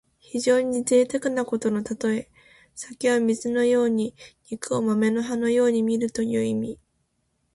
非常にぜいたくなことのたとえ。酒を水のように肉を豆の葉のようにみるという意味。